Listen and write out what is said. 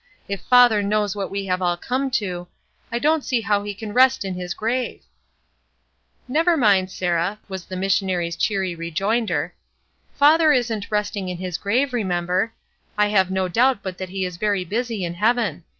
If father knows what we have all come to, I don't see how he can rest in his grave.'' ''Never mind, Sarah," was the missionary's cheery rejoinder. ^'Father isn't 'resting in his grave,' remember; I have no doubt but that he is very busy in heaven.